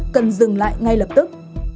cần dừng lại ngay lập tức